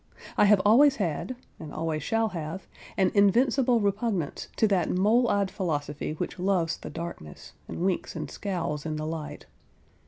I have always had, and always shall have, an invincible repugnance to that mole eyed philosophy which loves the darkness, and winks and scowls in the light.